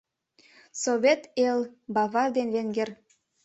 Совет эл Бавар ден венгер